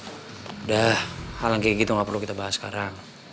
sudah hal seperti itu tidak perlu kita bahas sekarang